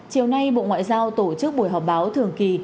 chiều nay bộ ngoại giao tổ chức buổi họp báo thường kỳ